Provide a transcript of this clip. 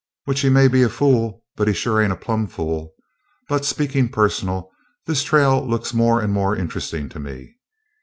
Which he may be a fool, but he sure ain't a plumb fool. But, speakin' personal, this trail looks more and more interestin' to me.